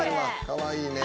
かわいいね。